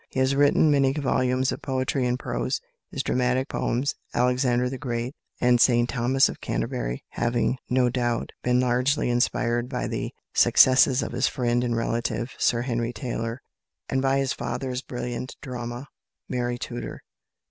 He has written many volumes of poetry and prose, his dramatic poems "Alexander the Great" and "St Thomas of Canterbury" having, no doubt, been largely inspired by the successes of his friend and relative, Sir Henry Taylor, and by his father's brilliant drama, "Mary Tudor."